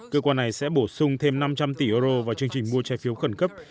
cơ quan này sẽ bổ sung thêm năm trăm linh tỷ euro vào chương trình mua trái phiếu khẩn cấp